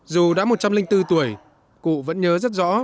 dù đã một trăm linh bốn tuổi cụ vẫn nhớ rất rõ